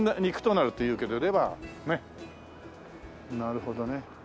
なるほどね。